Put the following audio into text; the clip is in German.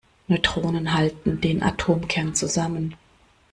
Neutronen halten den Atomkern zusammen.